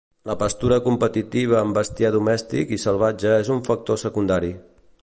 La pastura competitiva amb bestiar domèstic i salvatge és un factor secundari.